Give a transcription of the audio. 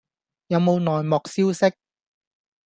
有冇內幕消息